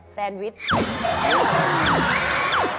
แซนวิช